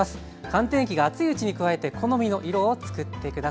寒天液が熱いうちに加えて好みの色をつくって下さい。